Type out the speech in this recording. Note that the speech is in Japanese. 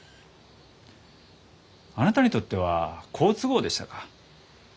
あなたにとっては好都合でしたか？